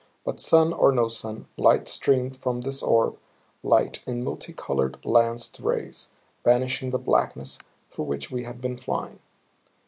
But sun or no sun, light streamed from this orb, light in multicolored, lanced rays, banishing the blackness through which we had been flying.